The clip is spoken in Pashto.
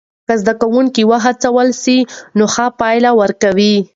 که زده کوونکي وهڅول سی نو ښه پایله ورکوي.